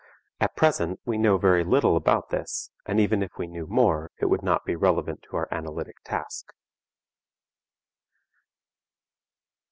At present we know very little about this, and even if we knew more it would not be relevant to our analytic task.